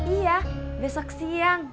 iya besok siang